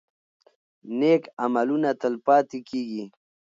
نیک عملونه تل پاتې کیږي.